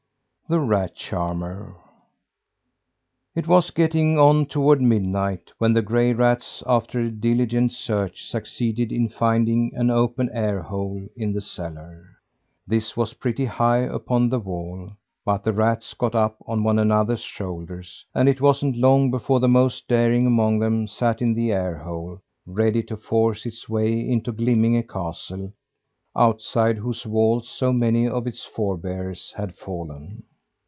THE RAT CHARMER It was getting on toward midnight when the gray rats after a diligent search succeeded in finding an open air hole in the cellar. This was pretty high upon the wall; but the rats got up on one another's shoulders, and it wasn't long before the most daring among them sat in the air hole, ready to force its way into Glimminge castle, outside whose walls so many of its forebears had fallen.